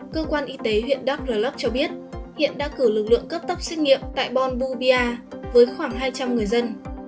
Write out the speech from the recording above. cơ quan y tế huyện đắc rờ lấp cho biết huyện đã cử lực lượng cấp tốc xét nghiệm tại bonbubia với khoảng hai trăm linh người dân